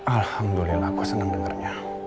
alhamdulillah aku seneng dengernya